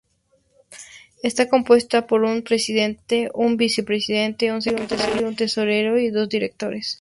Está compuesto por un presidente, un vicepresidente, un secretario, un tesorero y dos directores.